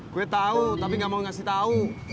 gue tau tapi gak mau kasih tau